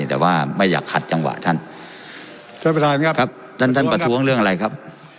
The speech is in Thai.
แต่ว่าไม่อยากขัดจังหวะท่านท่านประธานครับท่านท่านประท้วงเรื่องอะไรครับ